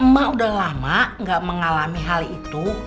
mak udah lama gak mengalami hal itu